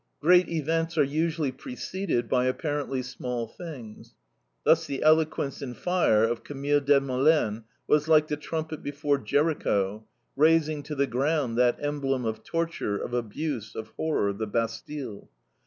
Great events are usually preceded by apparently small things. Thus the eloquence and fire of Camille Desmoulins was like the trumpet before Jericho, razing to the ground that emblem of torture, of abuse, of horror, the Bastille.